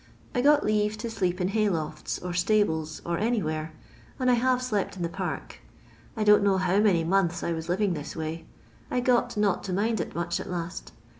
I got leave to sleep in hay lofts, or stables, or anywhere, and I have slept in the park. I don't know how many months I was living this way. I got not to mind it much at last.